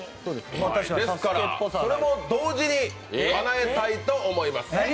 ですから、それも同時にかなえたいと思います。